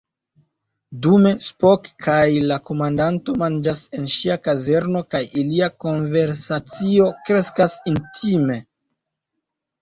Dume, Spock kaj la komandanto manĝas en ŝia kazerno, kaj ilia konversacio kreskas intime.